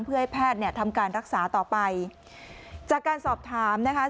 เพื่อให้แพทย์เนี่ยทำการรักษาต่อไปจากการสอบถามนะคะ